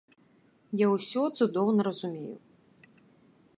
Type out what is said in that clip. Я ўсё цудоўна разумею.